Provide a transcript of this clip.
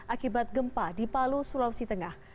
akibat gempa di palu sulawesi tengah